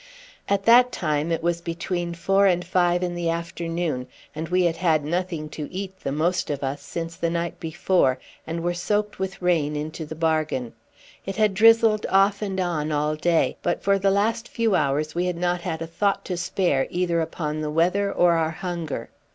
At that time it was between four and five in the afternoon, and we had had nothing to eat, the most of us, since the night before, and were soaked with rain into the bargain. It had drizzled off and on all day, but for the last few hours we had not had a thought to spare either upon the weather or our hunger.